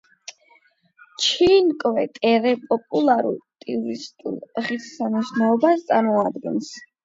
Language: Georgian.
ჩინკვე-ტერე პოპულარულ ტურისტულ ღირსშესანიშნაობას წარმოადგენს.